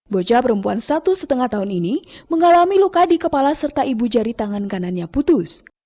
bocah perempuan satu lima tahun ini mengalami luka di kepala serta ibu jari tangan kanannya putus